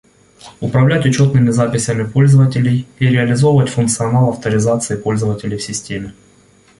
Управлять учетными записями пользователей и реализовывать функционал авторизации пользователей в системе